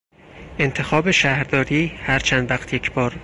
انتخاب شهرداری هر چند وقت یکبار